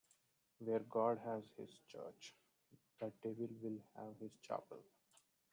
Where God has his church, the devil will have his chapel.